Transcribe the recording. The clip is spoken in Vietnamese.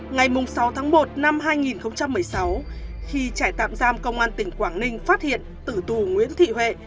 ngày sáu tháng một năm hai nghìn một mươi sáu khi trại tạm giam công an tỉnh quảng ninh phát hiện tử tù nguyễn thị huệ